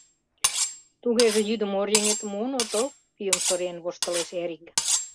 — Тугеже йӱдым оръеҥетым муын отыл? — пӱйым шыриен воштылеш Эрик.